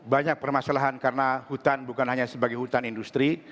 banyak permasalahan karena hutan bukan hanya sebagai hutan industri